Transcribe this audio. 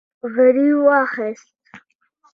غريو واخيست.